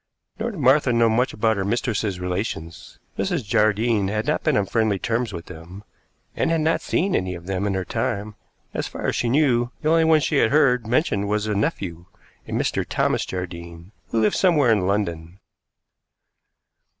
Nor did Martha know much of her mistress's relations. Mrs. Jardine had not been on friendly terms with them, and had not seen any of them in her time, as far as she knew; the only one she had heard mentioned was a nephew, a Mr. Thomas Jardine, who lived somewhere in London.